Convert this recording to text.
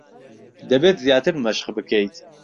دەبێت زیاتر مەشق بکەیت.